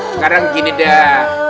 sekarang gini dah